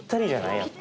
やっぱり。